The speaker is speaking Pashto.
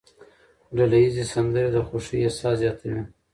ډلهییزې سندرې د خوښۍ احساس زیاتوي.